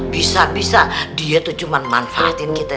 bisa bisa dia itu cuma manfaatin kita